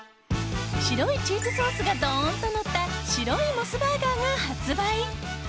白いチーズソースがどーんとのった白いモスバーガーが発売。